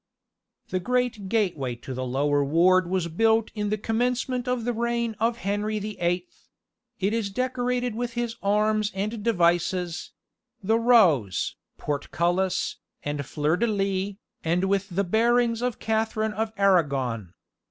The great gateway to the lower ward was built in the commencement of the reign of Henry the Eighth; it is decorated with his arms and devices the rose, portcullis, and fleur de lis, and with the bearings of Catherine of Arragon.